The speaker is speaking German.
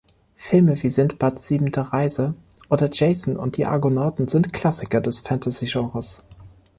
Filme wie "Sindbads siebente Reise" oder "Jason und die Argonauten" sind Klassiker des Fantasy-Genres.